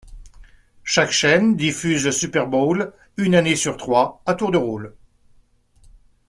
Chaque chaîne diffuse le Super Bowl une année sur trois, à tour de rôle.